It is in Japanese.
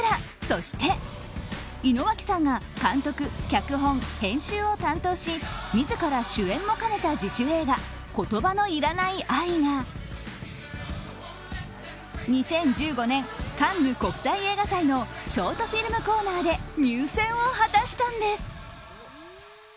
そして、井之脇さんが監督・脚本・編集を担当し自ら主演も兼ねた自主映画「言葉のいらない愛」が２０１５年、カンヌ国際映画祭のショートフィルムコーナーで入選を果たしたんです。